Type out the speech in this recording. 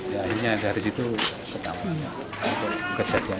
dan akhirnya dari situ ketahuan kejadian